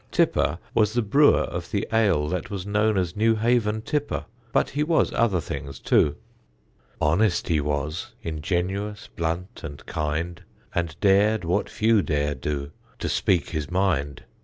Tipper was the brewer of the ale that was known as "Newhaven Tipper"; but he was other things too: Honest he was, ingenuous, blunt and kind, And dared what few dare do, to speak his mind.